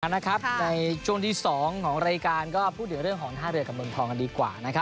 ในช่วงที่๒ของรายการก็พูดถึงเรื่องของท่าเรือกับเมืองทองกันดีกว่า